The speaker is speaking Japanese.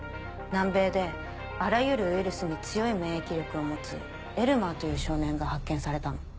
南米であらゆるウイルスに強い免疫力を持つエルマーという少年が発見されたの。